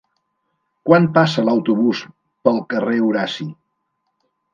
Quan passa l'autobús pel carrer Horaci?